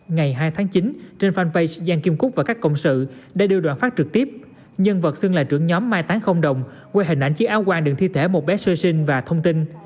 ngày hai tháng chín trên fanpage giang kim cúc và các cộng sự đã đưa đoàn phát trực tiếp nhân vật xưng là trưởng nhóm mai tán không đồng qua hình ảnh chiếc áo quan đường thi thể một bé sơ sinh và thông tin